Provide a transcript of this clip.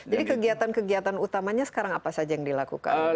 jadi kegiatan kegiatan utamanya sekarang apa saja yang dilakukan